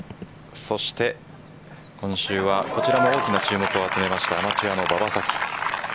そして今週はこちらも大きな注目を集めましたアマチュアの馬場咲希。